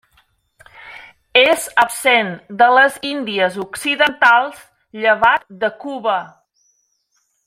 És absent de les Índies Occidentals, llevat de Cuba.